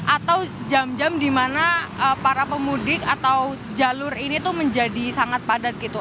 atau jam jam di mana para pemudik atau jalur ini tuh menjadi sangat padat gitu